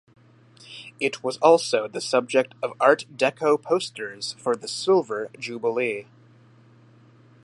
It was also the subject of art deco posters for the Silver Jubilee.